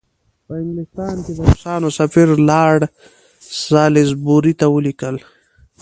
په انګلستان کې د روسانو سفیر لارډ سالیزبوري ته ولیکل.